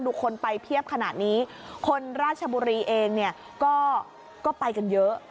คนไปเพียบขนาดนี้คนราชบุรีเองเนี่ยก็ไปกันเยอะ